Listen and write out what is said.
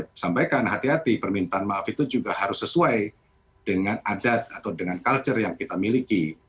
saya sampaikan hati hati permintaan maaf itu juga harus sesuai dengan adat atau dengan culture yang kita miliki